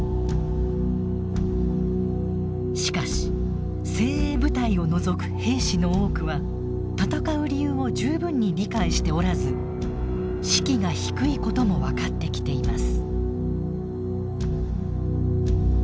しかし精鋭部隊を除く兵士の多くは戦う理由を十分に理解しておらず士気が低いことも分かってきています。